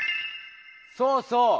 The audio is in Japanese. そうそう！